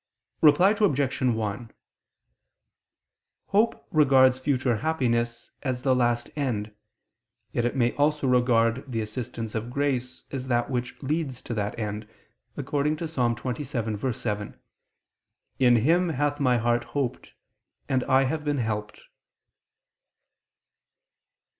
Reply Obj. 1: Hope regards future happiness as the last end: yet it may also regard the assistance of grace as that which leads to that end, according to Ps. 27:7: "In Him hath my heart hoped, and I have been helped."